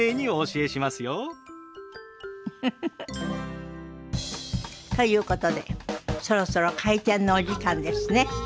ウフフフ。ということでそろそろ開店のお時間ですね。